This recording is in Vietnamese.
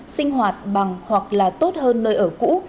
sinh hoạt bằng hoặc là tốt hơn nơi ở cũ